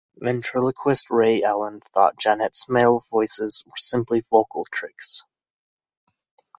Ventriloquist Ray Alan thought Janet's male voices were simply vocal tricks.